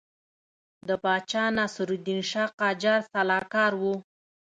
د پاچا ناصرالدین شاه قاجار سلاکار وو.